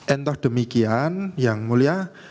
entah demikian yang mulia